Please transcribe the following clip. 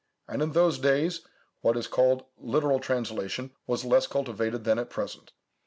And in those days, what is called literal translation was less cultivated than at present.